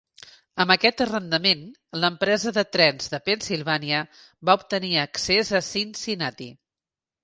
Amb aquest arrendament, l'empresa de trens de Pennsilvània va obtenir accés a Cincinnati.